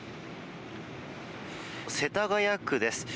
世田谷区です。